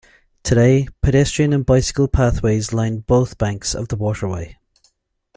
Today, pedestrian and bicycle pathways line both banks of the Waterway.